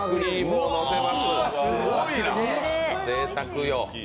ぜいたくよ。